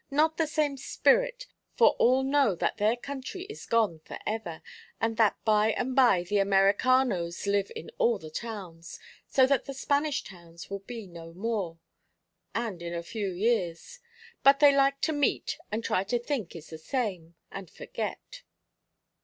Not the same spirit, for all know that their country is gone for ever, and that by and by the Americanos live in all the towns, so that the Spanish towns will be no more and in a few years. But they like to meet and try to think is the same, and forget."